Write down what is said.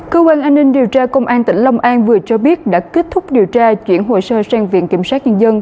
cơ quan an ninh điều tra công an tỉnh long an vừa cho biết đã kết thúc điều tra chuyển hồ sơ sang viện kiểm sát nhân dân